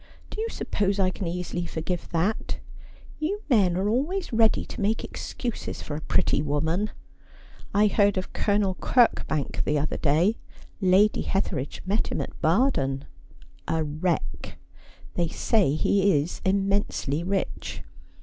Do you suppose I can easily forgive that ? You men are always ready to make ex cuses for a pretty woman. I lieaid of Colonel Kirkbank, the other day. Lady Hetheridge met him at Baden — a wreck. 'They say he is immensely rich.